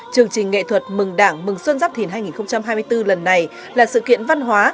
chương trình nghệ thuật mừng đảng mừng xuân giáp thìn hai nghìn hai mươi bốn lần này là sự kiện văn hóa